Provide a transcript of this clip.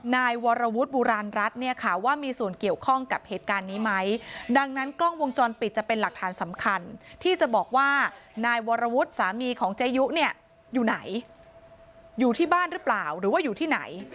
นายวรวุฒิบุราณรัฐเนี่ยค่ะว่ามีส่วนเกี่ยวข้องกับเหตุการณ์นี้ไหมดังนั้นกล้องวงจรปิดจะเป็นหลักฐานสำคัญที่จะบอกว่านายวรวุฒิสามีของเจยุเนี่ยอยู่ไหนอยู่ที่บ้านหรือเปล่าหรือว่าอยู่ที่ไหน